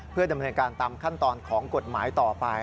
เพื่อดำเนินการตามขั้นตอนของกฎหมายต่อไป